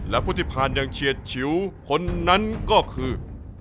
และผู้ที่ผ่านอย่างเฉียดชิวคนนั้นก็คือ